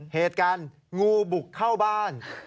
เหตุการณ์งูบุกเข้าบ้าน